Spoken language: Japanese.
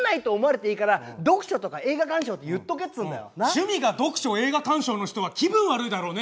趣味が読書映画鑑賞の人は気分悪いだろうね！